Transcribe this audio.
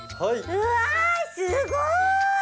うわすごい！